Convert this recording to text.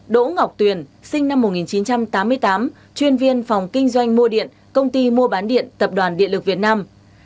bốn đỗ ngọc tuyền sinh năm một nghìn chín trăm tám mươi tám chuyên viên phòng kinh doanh mua điện công ty mua bán điện tập đoàn điện lực việt nam